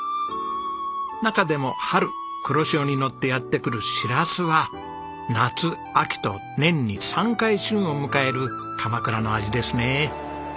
中でも春黒潮にのってやって来るシラスは夏秋と年に３回旬を迎える鎌倉の味ですね。